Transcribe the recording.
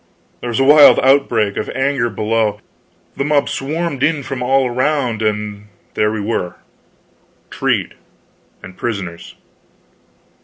There was a wild outbreak of anger below, and the mob swarmed in from all around, and there we were treed, and prisoners.